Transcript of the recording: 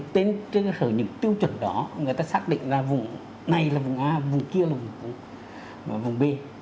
trên các sở những tiêu chuẩn đó người ta xác định là vùng này là vùng a vùng kia là vùng b